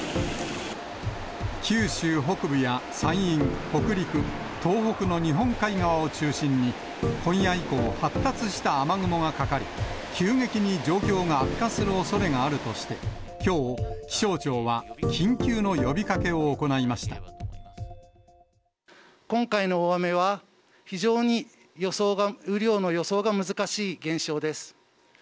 九州北部や山陰、北陸、東北の日本海側を中心に、今夜以降、発達した雨雲がかかり、急激に状況が悪化するおそれがあるとして、きょう、気象庁は緊急今回の大雨は、非常に雨量の予想が難しい現象です。